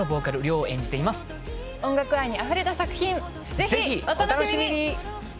ぜひお楽しみに。